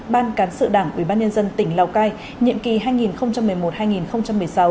ban cán sự đảng ủy ban nhân dân tỉnh lào cai nhiệm kỳ hai nghìn một mươi một hai nghìn một mươi sáu